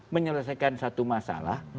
menyelesaikan satu masalah